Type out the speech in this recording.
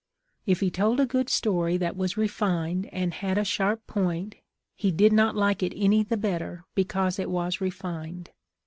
If he told a good story that was refined and had a sharp point, he did not like it any the better because it was refined.